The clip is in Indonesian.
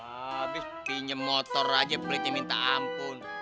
abis pinjem motor aja belitnya minta ampun